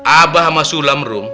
abah sama sulam rum